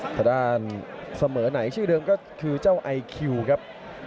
ทางด้านเสมอไหนชื่อเดิมก็คือเจ้าไอคิวครับ